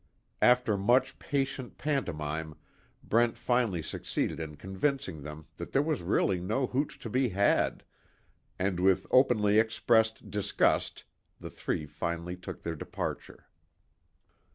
After much patient pantomime Brent finally succeeded in convincing them that there was really no hooch to be had, and with openly expressed disgust, the three finally took their departure.